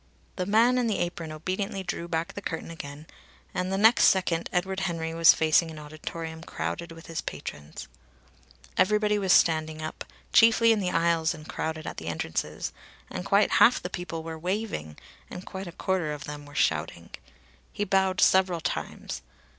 The man in the apron obediently drew back the curtain again, and the next second Edward Henry was facing an auditorium crowded with his patrons. Everybody was standing up, chiefly in the aisles and crowded at the entrances, and quite half the people were waving, and quite a quarter of them were shouting. He bowed several times.